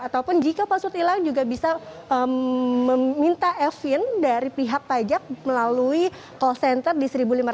ataupun jika pasut hilang juga bisa meminta fin dari pihak pajak melalui call center di seribu lima ratus dua ratus